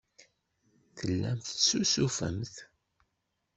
Tellamt tessusufemt.